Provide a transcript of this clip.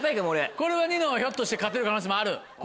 これはニノはひょっとして勝てる可能性もある？